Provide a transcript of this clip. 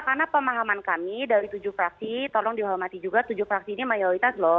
karena pemahaman kami dari tujuh fraksi tolong dihormati juga tujuh fraksi ini mayoritas loh